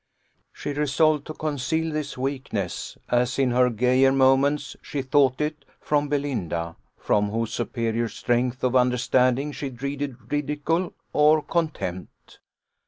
She resolved to conceal this weakness, as in her gayer moments she thought it, from Belinda, from whose superior strength of understanding she dreaded ridicule or contempt.